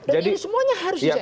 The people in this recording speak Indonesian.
dan ini semuanya harus disiapkan